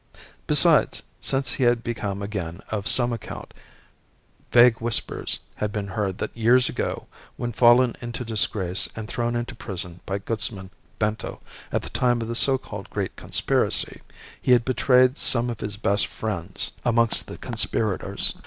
Besides, since he had become again of some account, vague whispers had been heard that years ago, when fallen into disgrace and thrown into prison by Guzman Bento at the time of the so called Great Conspiracy, he had betrayed some of his best friends amongst the conspirators.